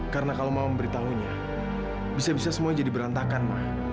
karena kalau mama memberitahunya bisa bisa semuanya jadi berantakan ma